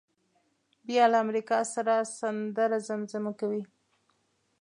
بیا له امریکا سره سندره زمزمه کوي.